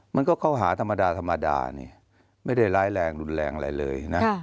มันก็เข้าหาธรรมดาไม่ได้ร้ายแรงยังรุนแรงเลย